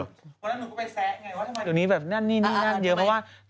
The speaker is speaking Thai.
คนอื่นก็ไปแซ๊ะไงว่าทำไมแบบนี้นี่นั่นเยอะเพราะว่าเอ้าทำไม